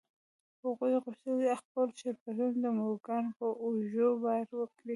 هغوی غوښتل خپل شرکتونه د مورګان پر اوږو بار کړي